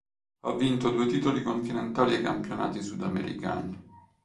Ha vinto due titoli continentali ai Campionati sudamericani.